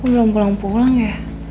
belum pulang pulang ya